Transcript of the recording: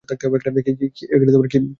কী বলিস তার ঠিক নেই!